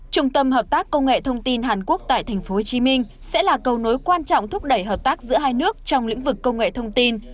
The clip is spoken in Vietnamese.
trung tâm hợp tác công nghệ thông tin hàn quốc tại tp hcm sẽ là cầu nối quan trọng thúc đẩy hợp tác giữa hai nước trong lĩnh vực công nghệ thông tin